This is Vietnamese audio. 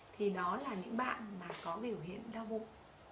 thì đó là những bạn mà có biểu hiện đau bụng